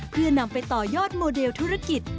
เพื่อนำไปต่อยอดโมเดลธุรกิจ